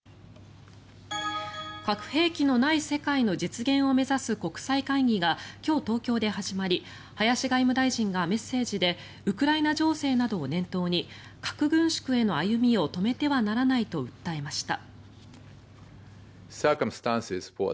核兵器のない世界の実現を目指す国際会議が今日、東京で始まり林外務大臣がメッセージでウクライナ情勢などを念頭に核軍縮への歩みを止めてはならないと訴えました。